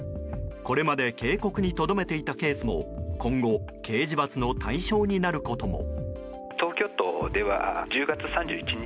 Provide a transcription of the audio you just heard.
これまで警告にとどめていたケースも今後、刑事罰の対象になることも。